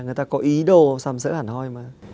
người ta có ý đồ sàm sỡ hẳn hoi mà